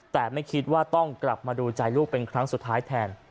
แต่ไม่คิดว่าต้องกลับมาดูใจลูกเป็นครั้งสุดท้ายแทน